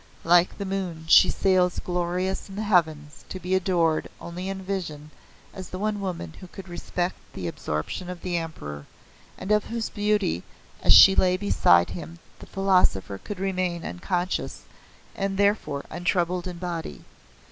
Like the moon she sails glorious in the heavens to be adored only in vision as the one woman who could respect the absorption of the Emperor, and of whose beauty as she lay beside him the philosopher could remain unconscious and therefore untroubled in body.